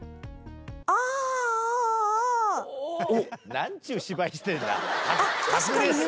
なんちゅう芝居してんだ。